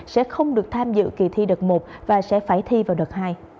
sẽ không được tham dự kỳ thi đợt một và sẽ phải thi vào đợt hai